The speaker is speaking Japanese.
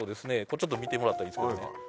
これちょっと見てもらったらいいですけどね